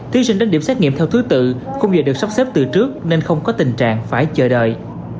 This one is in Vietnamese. thí sinh đến điểm xét nghiệm theo thứ tự không giờ được sắp xếp từ trước nên không có tình trạng phải chờ đợi